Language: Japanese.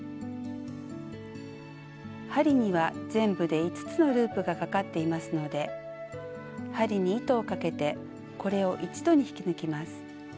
針には全部で５つのループがかかっていますので針に糸をかけてこれを一度に引き抜きます。